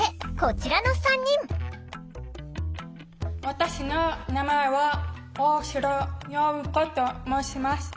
私の名前は大城桜子と申します。